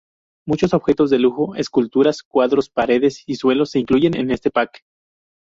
Muchos objetos de lujo, esculturas, cuadros, paredes y suelos se incluyen en este pack.